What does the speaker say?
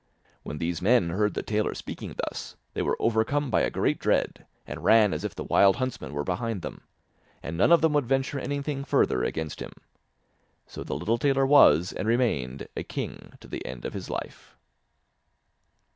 When these men heard the tailor speaking thus, they were overcome by a great dread, and ran as if the wild huntsman were behind them, and none of them would venture anything further against him. So the little tailor was and remained a king to the end of his life.